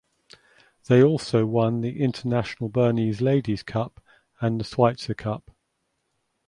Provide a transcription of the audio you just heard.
They also won the International Bernese Ladies Cup and the Schweizer Cup.